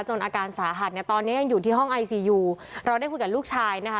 อาการสาหัสเนี่ยตอนนี้ยังอยู่ที่ห้องไอซียูเราได้คุยกับลูกชายนะคะ